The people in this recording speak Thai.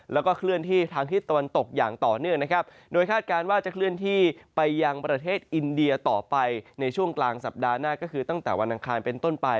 แล้วก็เคลื่อนที่ทางทิศตะวันตกอย่างต่อเนื่องนะครับโดยคาดการณ์ว่าจะเคลื่อนที่ไปยังประเทศอินเดียต่อไปในช่วงกลางสัปดาห์หน้าก็คือตั้งแต่วันอังคารเป็นต้นไป